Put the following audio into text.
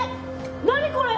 何これ！？